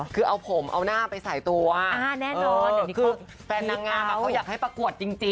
คือเอาผมเอาหน้าไปใส่ตัว